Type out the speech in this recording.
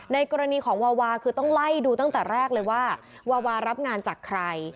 กรณีของวาวาคือต้องไล่ดูตั้งแต่แรกเลยว่าวาวารับงานจากใคร